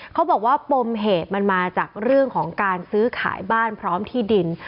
เขาบอกว่าปมเหตุมันมาจากเรื่องของการซื้อขายบ้านพร้อมที่ดิน